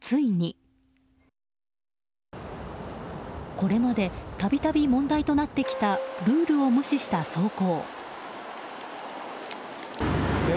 これまで度々問題となってきたルールを無視した走行。